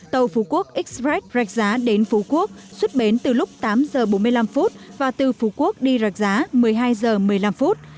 tàu phú quốc express rạch giá đến phú quốc xuất bến từ lúc tám giờ bốn mươi năm và từ phú quốc đi rạch giá một mươi hai giờ một mươi năm phút